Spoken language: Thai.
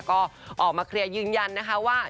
ก็ออกมาเคลียร์ยืนยันนะคะว่า